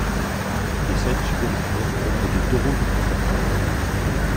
Des scènes supplémentaires montrent des taureaux de combat.